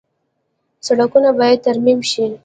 سړکونه باید ترمیم شي